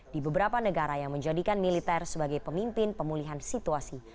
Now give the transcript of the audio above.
di beberapa negara yang menjadikan militer sebagai pemimpin pemulihan situasi